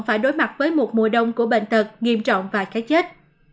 phải đối mặt với một mùa đông của bệnh tật nghiêm trọng và cái chết